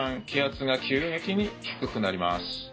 気圧が急激に低くなります。